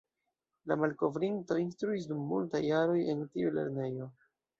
La malkovrinto instruis dum multaj jaroj en tiu lernejo.